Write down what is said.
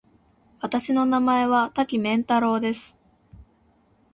私の名前は多岐麺太郎です。